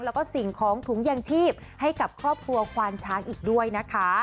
แล้วก็สิ่งของถุงยางชีพให้กับครอบครัวควานช้างอีกด้วยนะคะ